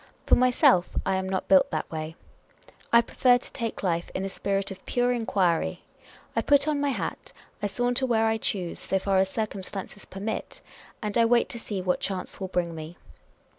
For myself, I am not built that way. I prefer to take life in a spirit of pure enquiry. I put on my hat ; I saunter where I choose, so far as circumstances permit ; and I wait to see what chance will bring me.